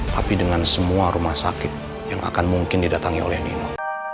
tapi dengan semua rumah sakit yang akan mungkin didatangi oleh nino